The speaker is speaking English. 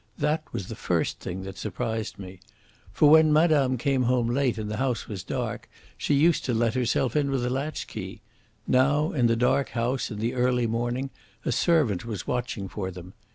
That was the first thing that surprised me. For when madame came home late and the house was dark, she used to let herself in with a latchkey. Now, in the dark house, in the early morning, a servant was watching for them.